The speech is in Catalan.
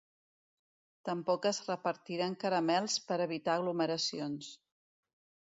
Tampoc es repartiran caramels per evitar aglomeracions.